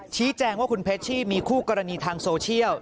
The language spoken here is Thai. ชี้แจงว่าคุณเพชชี่มีคู่กรณีทางโซเชียล